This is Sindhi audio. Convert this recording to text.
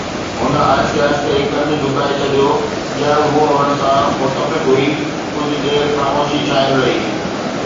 هن آهستي آهستي ڪنڌ جهڪائي ڇڏيو. ڄڻ هوءَ هن سان متفق هئي. ڪجهه دير خاموشي ڇانيل رهي